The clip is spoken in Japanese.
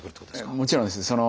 もちろんです。